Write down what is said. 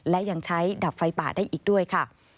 และยังใช้ดับไฟป่าได้อีกด้วยค่ะ